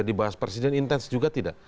dibahas presiden intens juga tidak